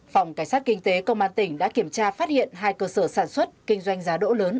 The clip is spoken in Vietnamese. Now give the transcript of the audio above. phòng cảnh sát kinh tế công an tỉnh đã kiểm tra phát hiện hai cơ sở sản xuất kinh doanh giá đỗ lớn